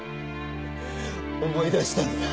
思い出したんだ。